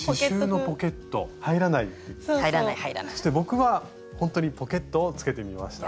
そして僕はほんとにポケットをつけてみました。